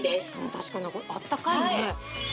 確かにこれあったかいね